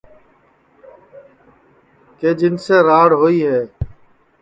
کہ جنسے راڑ ہوئی ہے